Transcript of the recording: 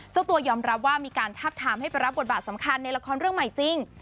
เจ้าตัวยอมรับว่ามีการทาบทามให้ไปรับบทบาทสำคัญในละครเรื่องใหม่จริง